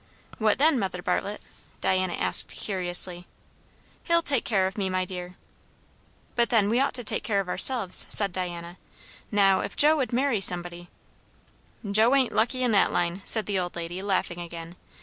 "What then, Mother Bartlett?" Diana asked curiously. "He'll take care of me, my dear." "But then, we ought to take care of ourselves," said Diana. "Now if Joe would marry somebody" "Joe ain't lucky in that line," said the old lady laughing again.